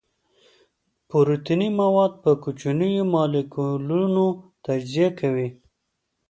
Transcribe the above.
پروتیني مواد په کوچنیو مالیکولونو تجزیه کوي.